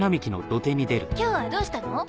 今日はどうしたの？